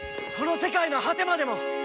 この世界の果てまでも！